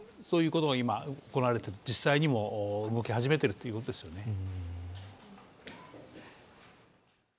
そういうことが行われている実際にも動き始めているということですね。